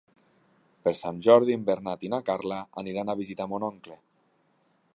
Per Sant Jordi en Bernat i na Carla aniran a visitar mon oncle.